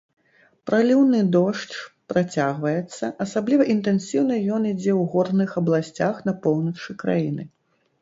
Праліўны дождж працягваецца, асабліва інтэнсіўна ён ідзе ў горных абласцях на поўначы краіны.